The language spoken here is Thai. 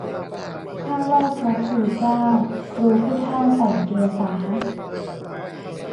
ข้าไหว้พระครูเจ้า ครูผู้เฒ่าใส่เกศา